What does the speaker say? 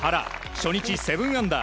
初日、７アンダー。